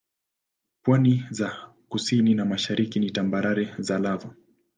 Pwani za kusini na mashariki ni tambarare za lava.